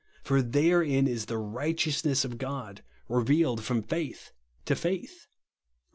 For therein is the right eousness of God revealed from faith to faith," (Rom.